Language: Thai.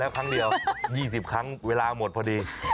แล้วครั้งเดียว๒๐ครั้งเวลาหมดพอดี